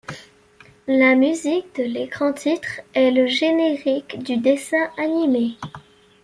La musique de l'écran titre est le générique du dessin animé.